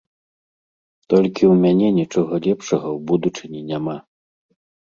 Толькі ў мяне нічога лепшага ў будучыні няма.